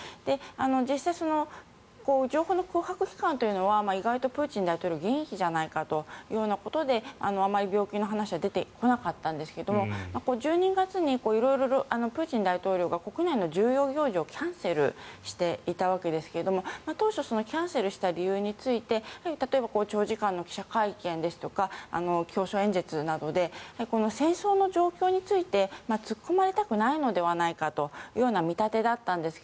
実際、情報の空白期間というのは意外とプーチン大統領元気じゃないかということであまり病気の話は出てこなかったんですが１２月に色々、プーチン大統領が国内の重要行事をキャンセルしていたわけですが当初キャンセルした理由について例えば長時間の記者会見ですとか教書演説などで戦争の状況について突っ込まれたくないのではないかという見立てだったんですが